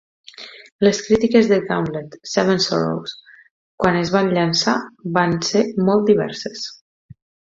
Les crítiques de "Gauntlet: Seven Sorrows" quan es va llançar van ser molt diverses.